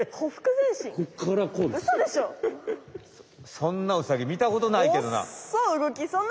そんなウサギみたことないけどな。